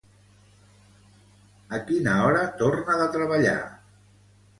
A quina hora torna de treballar?